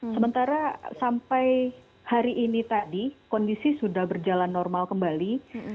sementara sampai hari ini tadi kondisi sudah berjalan normal kembali